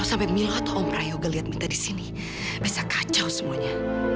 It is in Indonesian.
sampai jumpa di video selanjutnya